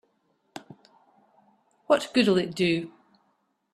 What good'll it do?